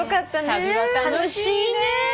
旅は楽しいね。